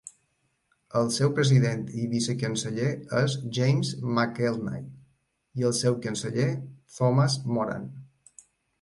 El seu president i vicecanceller és James McElnay, i el seu canceller, Thomas Moran.